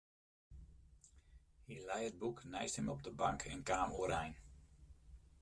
Hy lei it boek neist him op de bank en kaam oerein.